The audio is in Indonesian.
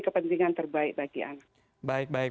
kepentingan terbaik bagian baik baik